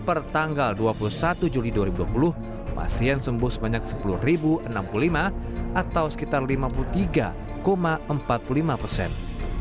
pertanggal dua puluh satu juli dua ribu dua puluh pasien sembuh sebanyak sepuluh enam puluh lima atau sekitar lima puluh tiga empat puluh lima persen